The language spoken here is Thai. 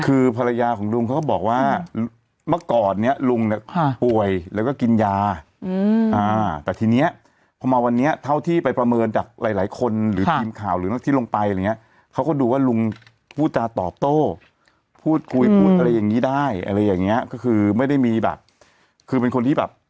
คือภรรยาของลุงเขาก็บอกว่าเมื่อก่อนเนี้ยลุงเนี่ยป่วยแล้วก็กินยาแต่ทีเนี้ยพอมาวันนี้เท่าที่ไปประเมินจากหลายหลายคนหรือทีมข่าวหรือนักที่ลงไปอะไรอย่างเงี้ยเขาก็ดูว่าลุงพูดจาตอบโต้พูดคุยพูดอะไรอย่างงี้ได้อะไรอย่างเงี้ยก็คือไม่ได้มีแบบคือเป็นคนที่แบบ